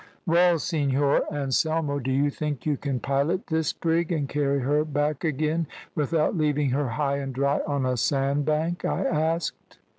"`Well, Senhor Anselmo, do you think you can pilot this brig and carry her back again, without leaving her high and dry on a sandbank?' I asked.